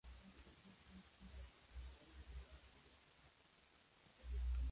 Luego regresó brevemente a Alemania y donde contrajo matrimonio con Elizabeth Nietzsche.